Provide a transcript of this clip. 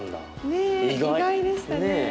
ねえ意外でしたね。